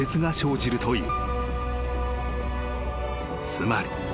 ［つまり］